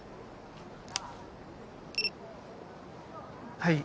はい。